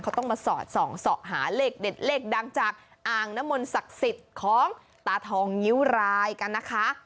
เขาต้องมาสอดส่องเสาะหาเลขเด็ดเลขดังจากอ่างน้ำมนต์ศักดิ์สิทธิ์ของตาทองงิ้วรายกันนะคะ